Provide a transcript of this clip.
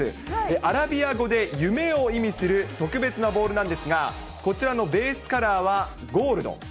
アラビア語で夢を意味する特別なボールなんですが、こちらのベースカラーはゴールド。